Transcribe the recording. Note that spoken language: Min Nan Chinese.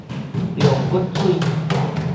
龍骨水